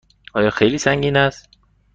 آیا خیلی سنگین است؟